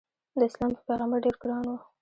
داسلام په پیغمبر ډېر ګران و.